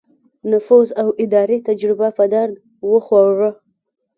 نفوذ او اداري تجربه په درد وخوړه.